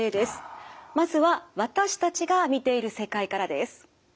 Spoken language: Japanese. まずは私たちが見ている世界からです。